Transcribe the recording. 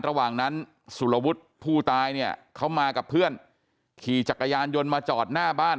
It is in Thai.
ระหว่างนั้นสุรวุฒิผู้ตายเนี่ยเขามากับเพื่อนขี่จักรยานยนต์มาจอดหน้าบ้าน